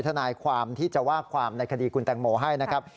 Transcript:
ทนายความที่จะว่าความในคดีคุณแตงโมให้นะครับ